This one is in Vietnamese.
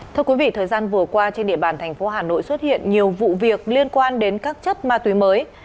thưa quý vị thời gian vừa qua trên địa bàn thành phố hà nội xuất hiện nhiều vụ việc liên quan đến các chất ma túy mới